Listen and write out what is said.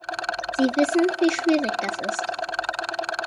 Sie wissen, wie schwierig das ist.